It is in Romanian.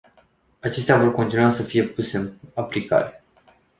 Acestea vor continua să fie puse în aplicare.